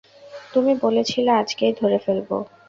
তুমি বলেছিলে আজকেই ধরে ফেলব।